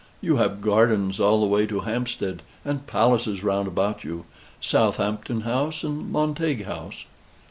You have gardens all the way to Hampstead, and palaces round about you Southampton House and Montague House."